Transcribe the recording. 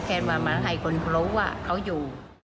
ว่ามาให้คนรู้ว่าเขาอยู่